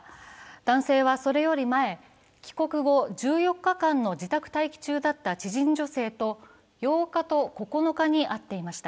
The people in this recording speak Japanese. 男性はそれより前、帰国後、１４日間の自宅待機中だった知人女性と８日と９日に会っていました。